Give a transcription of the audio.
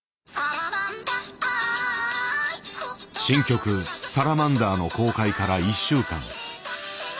新曲「サラマンダー」の公開から１週間。